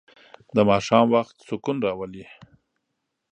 د ماښام وخت سکون راولي.